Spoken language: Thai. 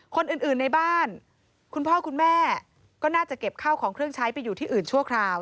คนอื่นในบ้านคุณพ่อคุณแม่ก็น่าจะเก็บข้าวของเครื่องใช้ไปอยู่ที่อื่นชั่วคราว